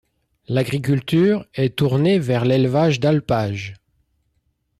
L'agriculture est tournée vers l'élevage d'alpage.